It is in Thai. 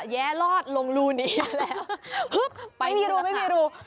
เย๊รอดลงรูนี้ฮึบไม่รู้